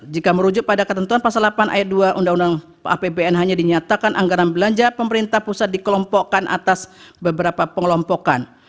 jika merujuk pada ketentuan pasal delapan ayat dua undang undang apbn hanya dinyatakan anggaran belanja pemerintah pusat dikelompokkan atas beberapa pengelompokan